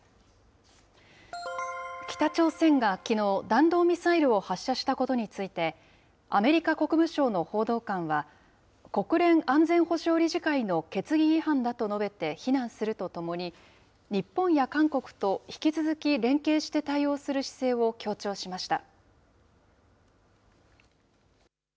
北朝鮮がきのう、弾道ミサイルを発射したことについて、アメリカ国務省の報道官は、国連安全保障理事会の決議違反だと述べて非難するとともに、日本や韓国と引き続き連携して対応する姿勢を強調しました。